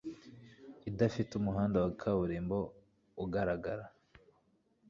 idafite umuhanda wa kaburimbo ugaragara